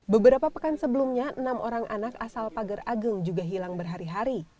beberapa pekan sebelumnya enam orang anak asal pagar ageng juga hilang berhari hari